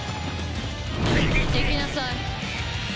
行きなさい。